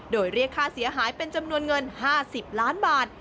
โดยเรียกค่าเสียหายเป็นจำนวนเงิน๕๐ล้านบาท